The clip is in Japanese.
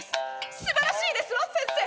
すばらしいですわ先生！